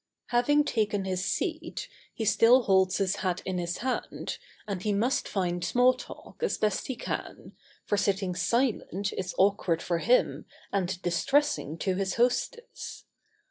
Having taken his seat, he still holds his hat in his hand, and he must find small talk as best he can, for sitting silent is awkward for him and distressing to his hostess.